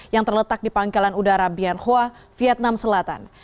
yang terletak di pangkalan udara bien hoa vietnam selatan